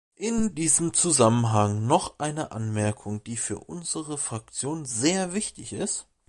In diesem Zusammenhang noch eine Anmerkung, die für unsere Fraktion sehr wichtig ist.